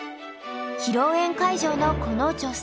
披露宴会場のこの女性。